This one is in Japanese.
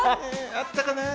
あったかなぁ？